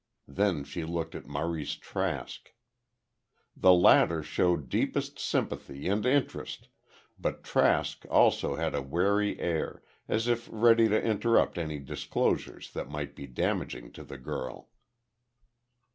Then she looked at Maurice Trask. The latter showed deepest sympathy and interest but Trask also had a wary air, as if ready to interrupt any disclosures that might be damaging to the girl.